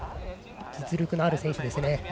実力のある選手ですね。